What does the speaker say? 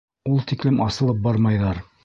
Ул тиклем асылып бармайҙар.